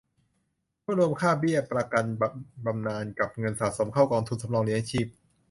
เมื่อรวมค่าเบี้ยประกันแบบบำนาญกับเงินสะสมเข้ากองทุนสำรองเลี้ยงชีพ